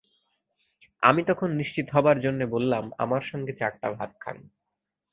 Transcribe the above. আমি তখন নিশ্চিত হবার জন্যে বললাম, আমার সঙ্গে চারটা ভাত খান।